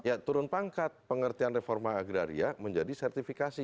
ya turun pangkat pengertian reforma agraria menjadi sertifikasi